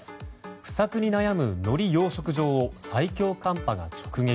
不作に悩むのり養殖場を最強寒波が直撃。